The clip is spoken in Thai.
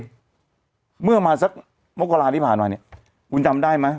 เมื่อเมื่อมาสัก๕๕๐๐นี้อาจจะผ่านมาเนี่ยคุณทำได้มั้ย